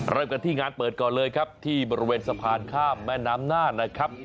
เริ่มกันที่งานเปิดก่อนเลยครับที่บริเวณสะพานข้ามแม่น้ำน่านนะครับ